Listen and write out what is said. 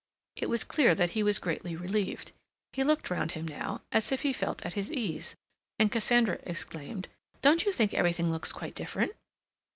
It was clear that he was greatly relieved. He looked round him now, as if he felt at his ease, and Cassandra exclaimed: "Don't you think everything looks quite different?"